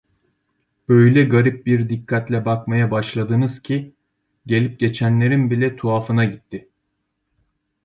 Öyle garip bir dikkatle bakmaya başladınız ki, gelip geçenlerin bile tuhafına gitti.